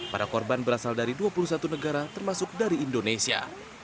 para korban berasal dari dua puluh satu negara termasuk dari indonesia